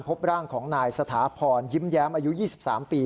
พบร่างของนายสถาพรยิ้มแย้มอายุ๒๓ปี